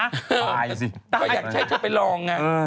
ก็อยากใช้เธอไปลอง